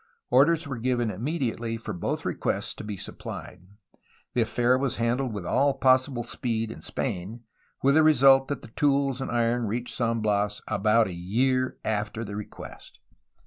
Orders were given immediately for both requests to be sup plied. The affair was handled with all possible speed in Spain, with the result that the tools and iron reached San Bias about a year after the request.